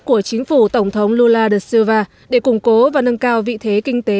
của chính phủ tổng thống lula da silva để củng cố và nâng cao vị thế kinh tế